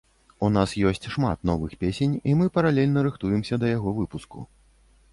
У нас ёсць шмат новых песень і мы паралельна рыхтуемся да яго выпуску.